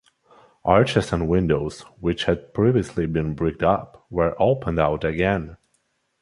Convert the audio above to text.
Arches and windows which had previously been bricked up were opened out again.